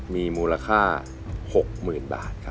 มีมูลค่า